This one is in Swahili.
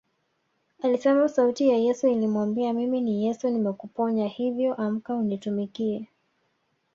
Alisema sauti ya Yesu ilimwambia Mimi ni Yesu nimekuponya hivyo amka unitumikie